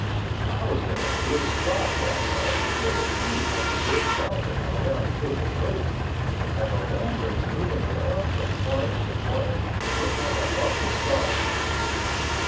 I was in a good spot that night to get a view of the Big Mountain around Cripple Creek, and the lanterns moving around from claim to claim looked like a bunch of stars.